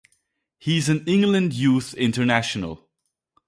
He is an England youth international.